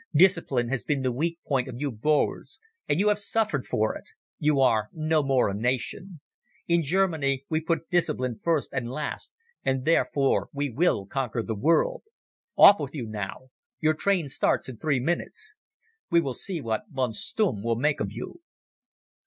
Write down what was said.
Discipline has been the weak point of you Boers, and you have suffered for it. You are no more a nation. In Germany we put discipline first and last, and therefore we will conquer the world. Off with you now. Your train starts in three minutes. We will see what von Stumm will make of you."